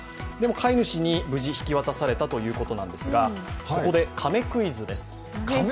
飼い主に無事引き渡されたということなんですがここで亀クイズです。